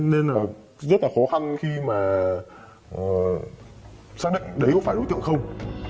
nên là rất là khó khăn khi mà xác định đấy không phải đối tượng không